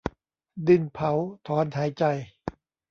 ดินเผาถอนหายใจ